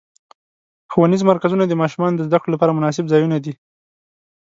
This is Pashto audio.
ښوونیز مرکزونه د ماشومانو د زدهکړو لپاره مناسب ځایونه دي.